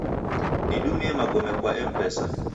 Nidumie magome kwa Mpesa